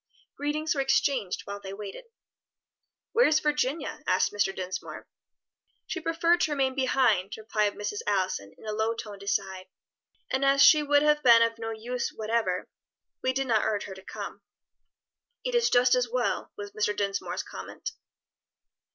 Greetings were exchanged while they waited. "Where is Virginia?" asked Mr. Dinsmore. "She preferred to remain behind," replied Mrs. Allison in a low toned aside, "and as she would have been of no use whatever, we did not urge her to come." "It is just as well," was Mr. Dinsmore's comment.